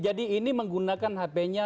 jadi ini menggunakan hpnya